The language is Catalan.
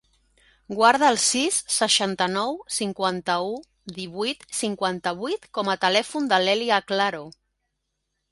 Guarda el sis, seixanta-nou, cinquanta-u, divuit, cinquanta-vuit com a telèfon de l'Èlia Claro.